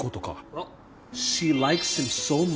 あっ！